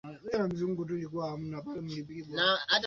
Jina la Zanzibar lililetwa na waarabu wakimaanisha pwani ya watu weusi